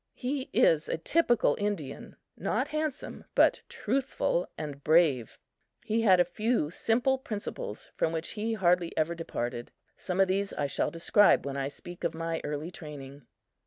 He is a typical Indian not handsome, but truthful and brave. He had a few simple principles from which he hardly ever departed. Some of these I shall describe when I speak of my early training.